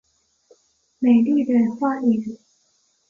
美丽的花莲